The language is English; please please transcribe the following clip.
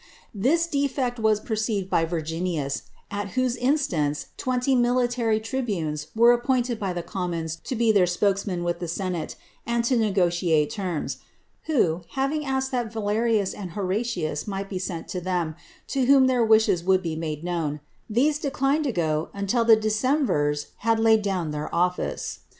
This defect was perceived by Virginius, at whose instance twenty military tribunes were appointed by the commons to be their spokesmen with the senate, and to negotiate terms; who, having asked that Valerius and Horatius might be sent to them, to whom their wishes would be made known, these declined to go until the decemvirs had laid down their office.